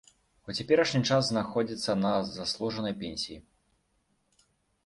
У цяперашні час знаходзіцца на заслужанай пенсіі.